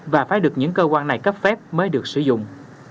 và phải được những cơ quan này cấp phép mới được sử dụng